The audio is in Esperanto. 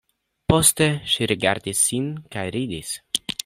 Poste ŝi rigardis sin kaj ridis.